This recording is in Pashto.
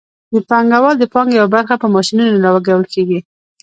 د پانګوال د پانګې یوه برخه په ماشینونو لګول کېږي